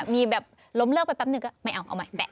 มีแบบล้มเลิกไปแป๊บนึงก็ไม่เอาเอาใหม่